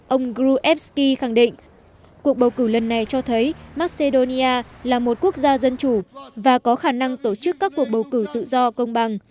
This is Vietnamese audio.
ông grubevsky khẳng định cuộc bầu cử lần này cho thấy macedonia là một quốc gia dân chủ và có khả năng tổ chức các cuộc bầu cử tự do công bằng